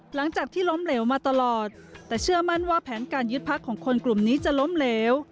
หลังจากที่ล้มเหลวมาตลอดแต่เชื่อมั่นว่าแผนการยึดพักของคนกลุ่มนี้จะล้มเหลว